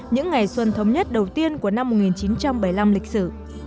những ngày xuân thống nhất đầu tiên của năm một nghìn chín trăm bảy mươi năm lịch sử